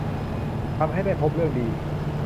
ทำให้ได้พบเรื่องดี